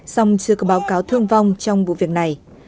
song chưa có báo cáo thương vong trong vụ việc này